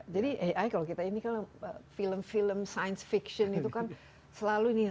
jadi ai kalau kita ini kan film film science fiction itu kan selalu ini